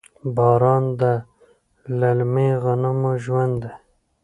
باران د للمي غنمو ژوند دی.